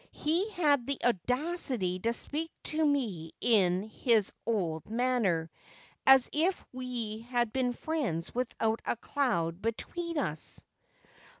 He had the audacity to speak to me in his old manner, as if we had been friends without a cloud between us.